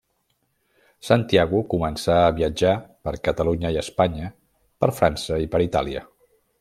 Santiago començà a viatjar per Catalunya i Espanya, per França i per Itàlia.